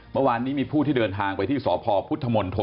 เมื่อวานนี้มีผู้ที่เดินทางไปที่สพพุทธมนตร